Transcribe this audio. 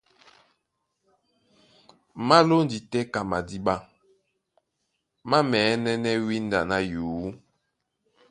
Má lóndi tɛ́ ka madíɓá, má mɛ̌nɛ́nɛ́ wínda ná yǔ.